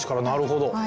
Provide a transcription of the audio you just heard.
なるほど。